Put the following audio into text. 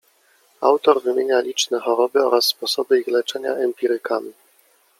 Autor wymienia liczne choroby oraz sposoby ich leczenia empirykami.